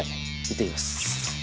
いってきます。